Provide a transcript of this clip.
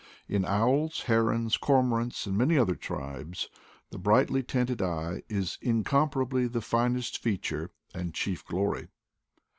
In owls, herons, cormorants, and many other tribes, the brightly tinted eye is incomparably the finest feature and chief glory.